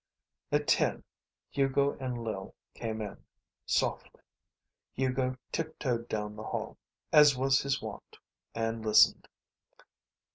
At ten Hugo and Lil came in, softly. Hugo tiptoed down the hall, as was his wont, and listened.